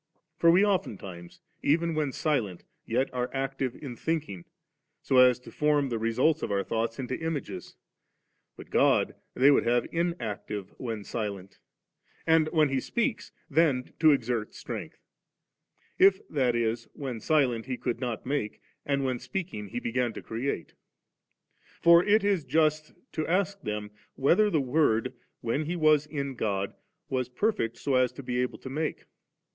For we oftentimes, even when sQent, yet are active in thinking, so as to form the results of our thoughts into images ; but God they would have inactive when silent, and when He speaks then to exert strength; if, that is, when silent He could not make, and when speaking He began to create. For it is just to ask them, whether the Word, when He was in God, was perfect, so as to be able to make.